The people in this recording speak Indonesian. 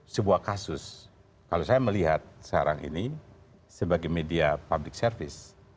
sebuah kasus kalau saya melihat sekarang ini sebagai media public service